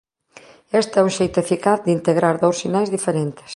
Este é un xeito eficaz de integrar dous sinais diferentes.